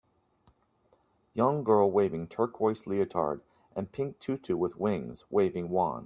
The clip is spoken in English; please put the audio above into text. Young girl waving turquiose leotard and pink tutu with wings waving wand.